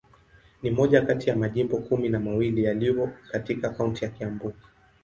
Ni moja kati ya majimbo kumi na mawili yaliyo katika kaunti ya Kiambu.